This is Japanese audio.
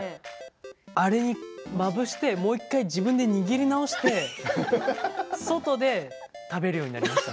あれにまぶしてもう１回自分で握り直して外で食べるようになりました。